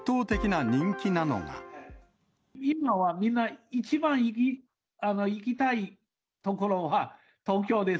今はみんな、一番行きたい所は、東京です。